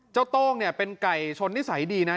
เจ้าโต้งเนี่ยเป็นไก่ชนนิสัยดีนะ